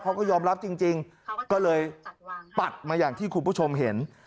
เขาก็ยอมรับจริงก็เลยปัดมาอย่างที่คุณผู้ชมเห็น